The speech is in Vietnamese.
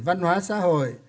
văn hóa xã hội